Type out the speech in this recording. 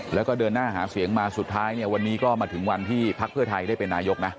แล้วก็เดินหน้าหาเสียงมาสุดท้ายเนี่ยวันนี้ก็มาถึงวันที่พักเพื่อไทยได้เป็นนายกนะ